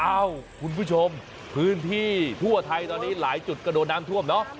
เอ้าคุณผู้ชมพื้นที่ทั่วไทยตอนนี้หลายจุดก็โดนน้ำท่วมเนอะ